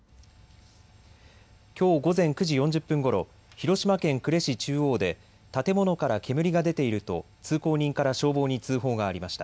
きょう午前９時４０分ごろ広島県呉市中央で建物から煙が出ていると通行人から消防に通報がありました。